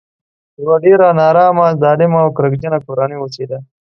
یوه ډېره نارامه ظالمه او کرکجنه کورنۍ اوسېده.